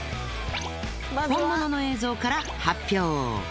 本物の映像から発表。